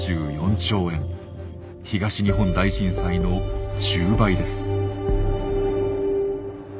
東日本大震災の１０倍です。